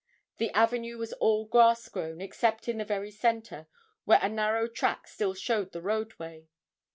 The avenue was all grass grown, except in the very centre, where a narrow track still showed the roadway.